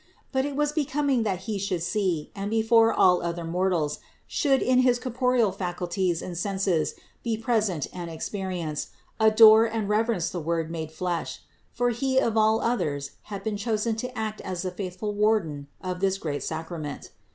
But it was be coming that he should see, and, before all other mortals, should in his corporeal faculties and senses be present and experience, adore and reverence the Word made flesh; for he of all others had been chosen to act as the faithful warden of this great sacrament.